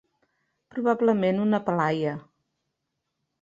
Probablement una palaia.